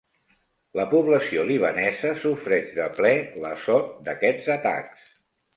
La població libanesa sofreix de ple l'assot d'aquests atacs.